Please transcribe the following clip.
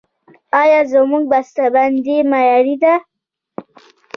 آیا زموږ بسته بندي معیاري ده؟